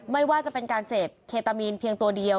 ไม่ว่าจะเป็นการเสพเคตามีนเพียงตัวเดียว